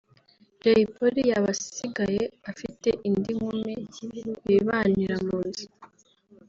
Jay Polly yaba asigaye afite indi nkumi bibanira mu nzu